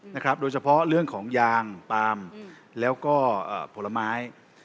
โดยเฉพาะเรื่องของยางปาล์มแล้วก็ผลไม้